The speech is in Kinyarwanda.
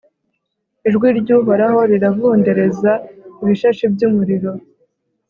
ijwi ry'uhoraho riravundereza ibishashi by'umuriro